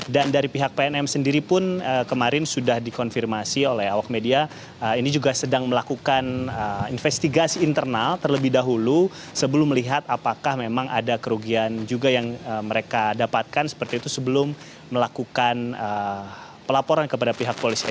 dan dari pihak pnm sendiri pun kemarin sudah dikonfirmasi oleh awak media ini juga sedang melakukan investigasi internal terlebih dahulu sebelum melihat apakah memang ada kerugian juga yang mereka dapatkan seperti itu sebelum melakukan pelaporan kepada pihak polisi